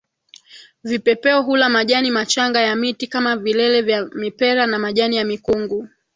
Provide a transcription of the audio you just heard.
Vipepeo hula majani machanga ya miti kama vilele ya mipera na majani ya mikungu